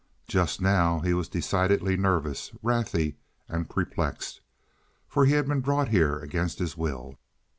Just now he was decidedly nervous, wrathy, and perplexed, for he had been brought here against his will.